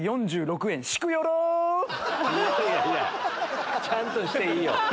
いやいや！ちゃんとしていいよ。